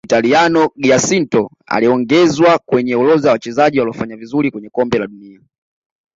muitaliano giacinto aliongezwa kwenye orodha ya wachezaji waliofanya vizuri kwenye Kombe la dunia